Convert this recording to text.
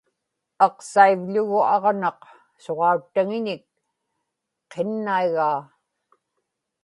aqsaivḷugu aġnaq suġauttaŋiñik qinnaigaa